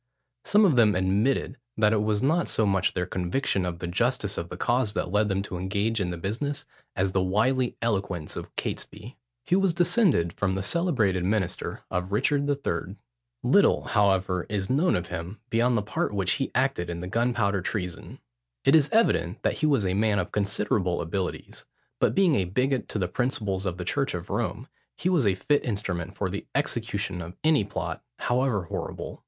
Some of them admitted, that it was not so much their conviction of the justice of the cause that led them to engage in the business, as the wily eloquence of Catesby. He was descended from the celebrated minister of Richard III. Little, however, is known of him beyond the part which he acted in the Gunpowder Treason. It is evident that he was a man of considerable abilities; but being a bigot to the principles of the church of Rome, he was a fit instrument for the execution of any plot, however horrible.